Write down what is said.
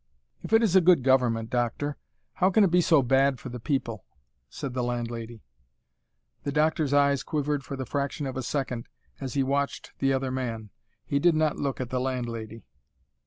"If it is a good government, doctor, how can it be so bad for the people?" said the landlady. The doctor's eyes quivered for the fraction of a second, as he watched the other man. He did not look at the landlady.